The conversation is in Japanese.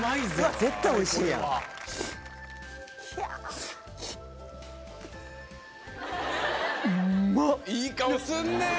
いい顔すんね！